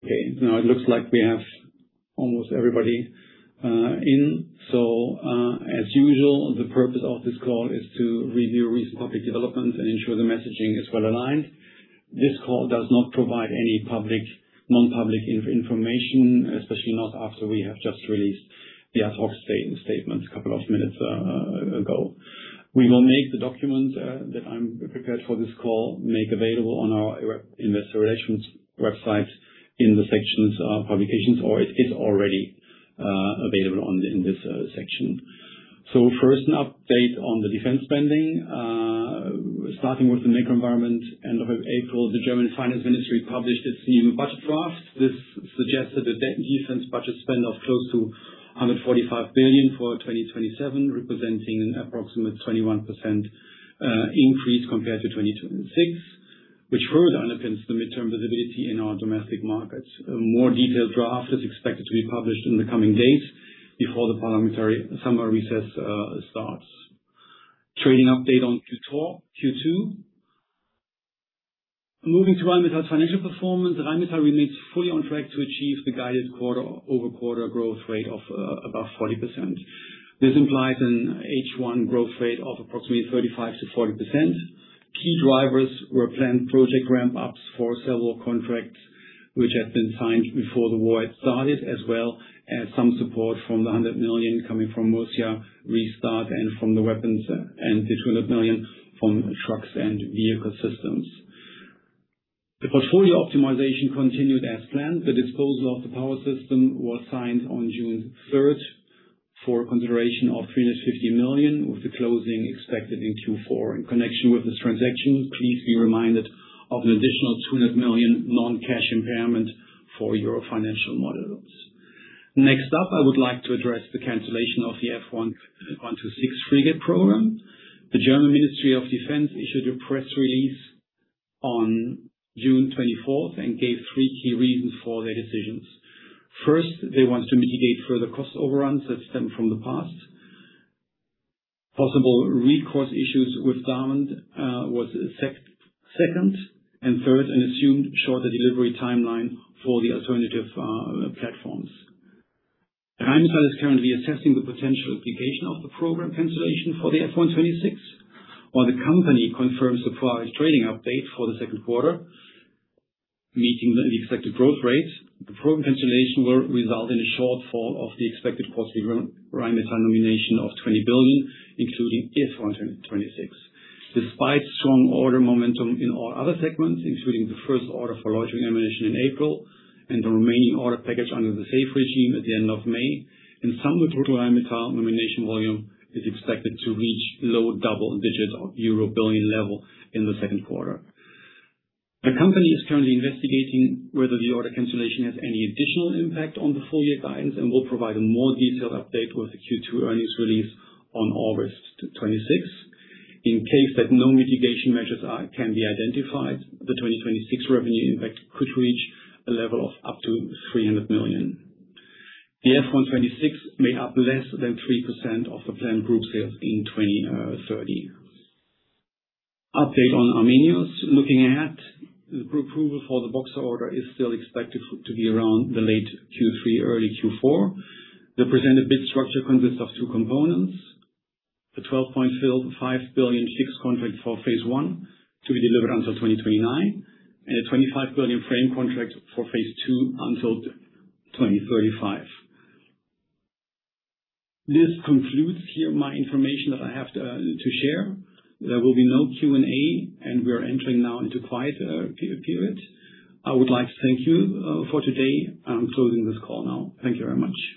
As usual, the purpose of this call is to review recent public developments and ensure the messaging is well-aligned. This call does not provide any non-public information, especially not after we have just released the ad hoc statements a couple of minutes ago. We will make the document that I prepared for this call available on our investor relations website in the sections of publications, or it is already available in this section. First, an update on the defense spending. Starting with the macro environment, end of April, the German Finance Ministry published its new budget draft. This suggested a defense budget spend of close to 145 billion for 2027, representing an approximate 21% increase compared to 2026, which further underpins the mid-term visibility in our domestic markets. A more detailed draft is expected to be published in the coming days before the parliamentary summer recess starts. Trading update on Q2. Moving to Rheinmetall's financial performance. Rheinmetall remains fully on track to achieve the guided quarter-over-quarter growth rate of above 40%. This implies an H1 growth rate of approximately 35%-40%. Key drivers were planned project ramp-ups for several contracts, which had been signed before the war had started, as well as some support from the 100 million coming from Murcia restart and from the Weapons, and the 200 million from trucks and Vehicle Systems. The portfolio optimization continued as planned. The disposal of the Power Systems was signed on June 3rd for consideration of 350 million, with the closing expected in Q4. In connection with this transaction, please be reminded of an additional 200 million non-cash impairment for your financial models. Next up, I would like to address the cancellation of the F126 frigate program. The German Ministry of Defence issued a press release on June 24th and gave three key reasons for their decisions. First, they want to mitigate further cost overruns that stem from the past. Possible recourse issues with Damen was second. Third, an assumed shorter delivery timeline for the alternative platforms. Rheinmetall is currently assessing the potential implication of the program cancellation for the F126, while the company confirms supply trading update for the second quarter, meeting the expected growth rates. The program cancellation will result in a shortfall of the expected positive Rheinmetall nomination of 20 billion, including F126. Despite strong order momentum in all other segments, including the first order for loitering ammunition in April and the remaining order package under the SAFE regime at the end of May. In sum, the total Rheinmetall nomination volume is expected to reach low double digits of euro 1 billion level in the second quarter. The company is currently investigating whether the order cancellation has any additional impact on the full-year guidance and will provide a more detailed update with the Q2 earnings release on August 26. In case that no mitigation measures can be identified, the 2026 revenue impact could reach a level of up to 300 million. The F126 made up less than 3% of the planned group sales in 2030. Update on Arminius. Looking ahead, the approval for the Boxer order is still expected to be around late Q3, early Q4. The presented bid structure consists of two components. The 12.5 billion fixed contract for phase one to be delivered until 2029, and a 25 billion frame contract for phase two until 2035. This concludes here my information that I have to share. There will be no Q&A. We are entering now into quiet period. I would like to thank you for today. I'm closing this call now. Thank you very much.